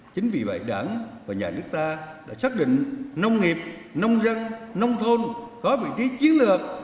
chính vì vậy đảng và nhà nước ta đã xác định nông nghiệp nông dân nông thôn có vị trí chiến lược